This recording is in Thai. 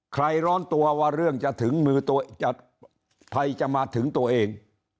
ร้อนตัวว่าเรื่องจะถึงมือตัวเองภัยจะมาถึงตัวเอง